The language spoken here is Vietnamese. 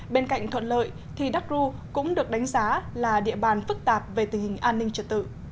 bên cạnh thuận lợi thì đắk ru cũng được đánh giá là địa bàn phức tạp về tình hình an ninh trật tự